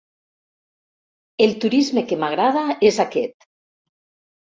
El turisme que m'agrada és aquest!